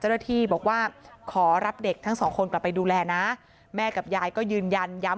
เจ้าหน้าที่บอกว่าขอรับเด็กทั้งสองคนกลับไปดูแลนะแม่กับยายก็ยืนยันย้ำ